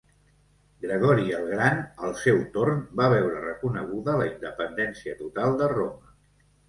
Gregori el Gran, al seu torn, va veure reconeguda la independència total de Roma.